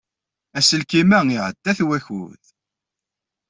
Aselkim-a iɛedda-t wakud.